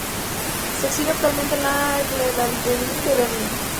Se exhibe actualmente en la Gemäldegalerie de Berlín.